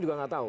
juga nggak tahu